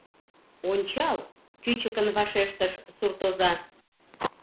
— Ончал! — кӱчыкын вашештыш суртоза.